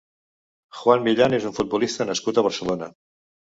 Juan Millán és un futbolista nascut a Barcelona.